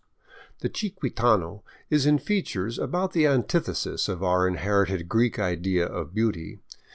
The chiquitano is in features about the antithesis of our inherited Greek idea of beauty.